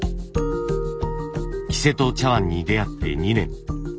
黄瀬戸茶碗に出会って２年。